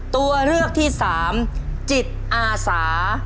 ตัวเลือกที่สามจิตอาสา